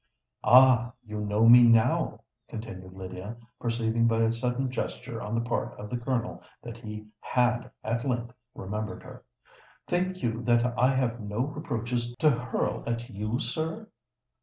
"Ah! you know me now," continued Lydia, perceiving by a sudden gesture on the part of the Colonel that he had at length remembered her. "Think you that I have no reproaches to hurl at you, sir?